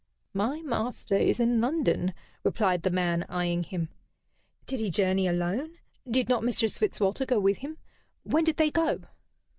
"My master is in London," replied the man, eyeing him. "Did he journey alone? Did not Mistress Fitzwalter go with him? When did they go?"